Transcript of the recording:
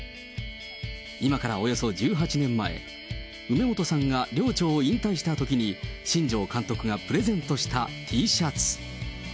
今からおよそ１８年前、梅本さんが寮長を引退したときに、新庄監督がプレゼントしたＴシャツ。